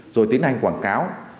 rồi tiến hành quảng cáo